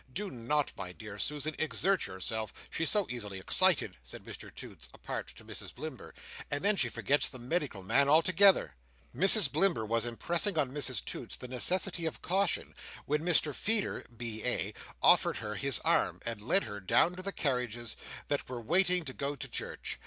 Do not, my dear Susan, exert yourself. She's so easily excited," said Mr Toots, apart to Mrs Blimber, "and then she forgets the medical man altogether." Mrs Blimber was impressing on Mrs Toots the necessity of caution, when Mr Feeder, B.A., offered her his arm, and led her down to the carriages that were waiting to go to church.